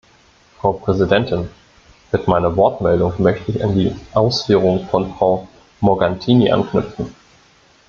Frau Präsidentin! Mit meiner Wortmeldung möchte ich an die Ausführungen von Frau Morgantini anknüpfen.